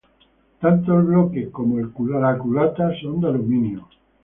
Tanto el bloque como la culata son de aluminio.